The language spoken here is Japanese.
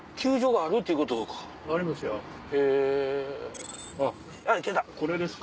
あっこれですか。